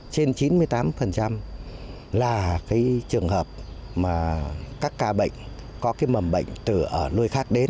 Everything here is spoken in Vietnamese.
trên chín mươi tám là trường hợp mà các ca bệnh có mầm bệnh từ nơi khác đến